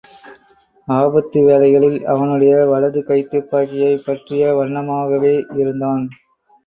ஆபத்து வேளைகளில் அவனுடைய வலது கைதுப்பாக்கியைப் பற்றிய வண்ணமாகவேயிருந்தான்.